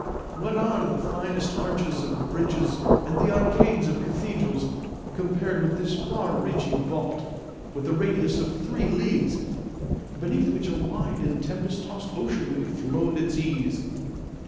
What are the finest arches of bridges and the arcades of cathedrals, compared with this far reaching vault, with a radius of three leagues, beneath which a wide and tempest tossed ocean may flow at its ease?"